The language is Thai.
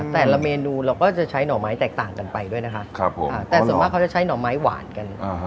แต่ละเมนูเราก็จะใช้หน่อไม้แตกต่างกันไปด้วยนะคะแต่ส่วนมากเขาจะใช้หน่อไม้หวานกัน